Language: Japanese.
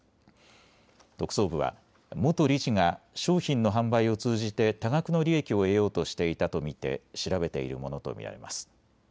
特捜部は元理事が商品の販売を通じて多額の利益を得ようとしていたと見て調べているものと見られます。